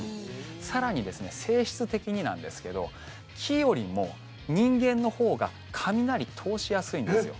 更に性質的になんですけど木よりも人間のほうが雷、通しやすいんですよ。